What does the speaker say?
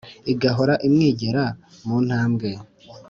igahora imwigera mu ntambwe